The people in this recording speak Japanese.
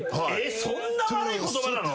そんな悪い言葉なの？